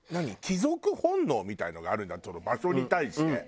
帰属本能みたいなのがあるその場所に対して。